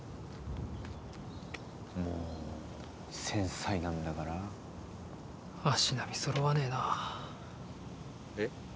もう繊細なんだから足並みそろわねぇなえっ？